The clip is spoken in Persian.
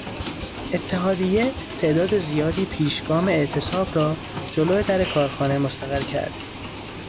اتحادیه تعداد زیادی پیشگام اعتصاب را جلو در کارخانه مستقر کرد.